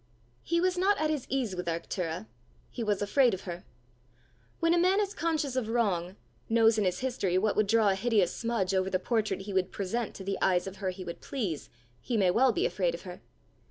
He was not at his ease with Arctura; he was afraid of her. When a man is conscious of wrong, knows in his history what would draw a hideous smudge over the portrait he would present to the eyes of her he would please, he may well be afraid of her.